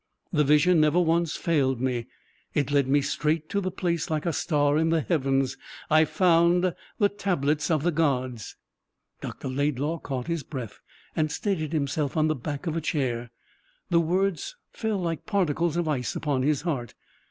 The vision never once failed me. It led me straight to the place like a star in the heavens. I found the Tablets of the Gods." Dr. Laidlaw caught his breath, and steadied himself on the back of a chair. The words fell like particles of ice upon his heart.